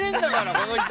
この人。